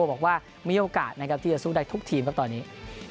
บอกว่ามีโอกาสนะครับที่จะสู้ได้ทุกทีมครับตอนนี้